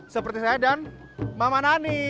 seperti saya dan mama nani